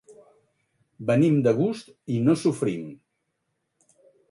Venim de gust i no sofrim.